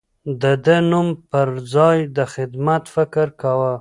ده د نوم پر ځای د خدمت فکر کاوه.